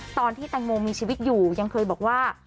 ตอนที่แตงโมมีชีวิตอยู่ยังเคยบอกว่า